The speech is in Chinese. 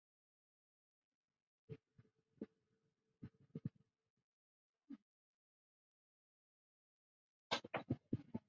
本表是蒙古语方言的列表。